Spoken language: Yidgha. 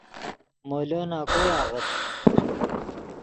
مولو نَکوئے آغت